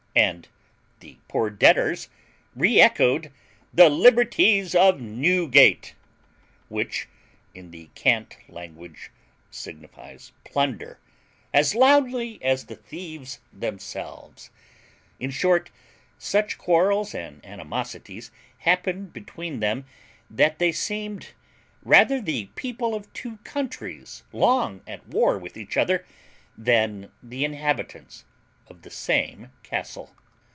And the poor debtors re echoed THE LIBERTIES OF NEWGATE, which, in the cant language, signifies plunder, as loudly as the thieves themselves. In short, such quarrels and animosities happened between them, that they seemed rather the people of two countries long at war with each other than the inhabitants of the same castle.